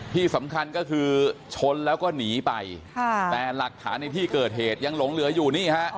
ที่สำคัญก็คือชนแล้วก็หนีไปแต่หลักฐานในที่เกิดเหตุยังหลงเหลืออยู่นี่ฮะ